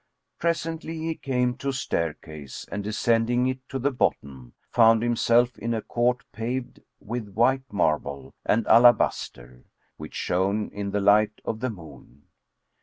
Presently, he came to a staircase and descending it to the bottom, found himself in a court paved with white marble and alabaster, which shone in the light of the moon.